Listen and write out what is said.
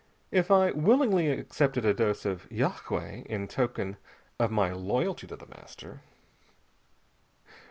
If I willingly accepted a dose of yagué in token of my loyalty to The Master...."